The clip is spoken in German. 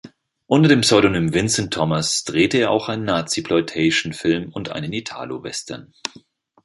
Unter dem Pseudonym "Vincent Thomas" drehte er auch einen Naziploitation-Film und einen Italowestern.